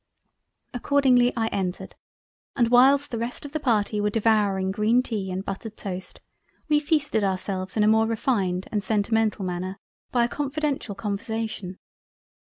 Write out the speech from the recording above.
Accordingly I entered and whilst the rest of the party were devouring green tea and buttered toast, we feasted ourselves in a more refined and sentimental Manner by a confidential Conversation.